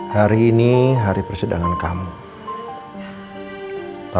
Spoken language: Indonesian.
hari ini hari persidangan kamu